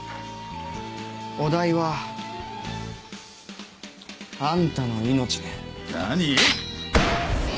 お代はあんたの命で何ぃ？